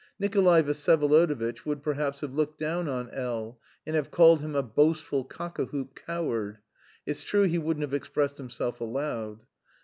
Nikolay Vsyevolodovitch would, perhaps, have looked down on L n, and have called him a boastful cock a hoop coward; it's true he wouldn't have expressed himself aloud.